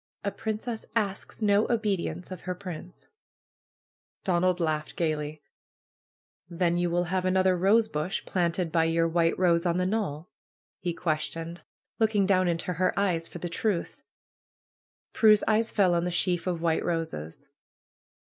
'^A princess asks no obedience of her prince 1" Donald laughed gaily. ^^Then you will have another rosebush planted by your white rose on the knoll?" he questioned, looking down into her eyes for the truth. Prue's eyes fell on the sheaf of white roses.